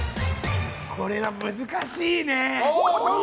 これは難しいね。